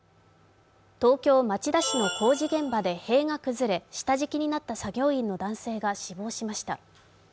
東京・町田市の工事現場で塀が崩れ下敷きになった作業員の男性が死亡しました。